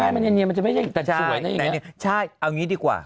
ใช่มันเนียนเนียนมันจะไม่ใช่สวยเนี้ยใช่ใช่เอางี้ดีกว่า